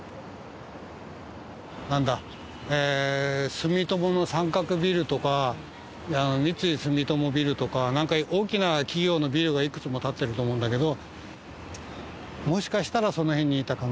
住友の三角ビルとか三井住友ビルとか何か大きな企業のビルが幾つも立ってると思うんだけど。